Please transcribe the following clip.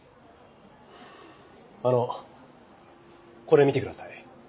あのこれ見てください。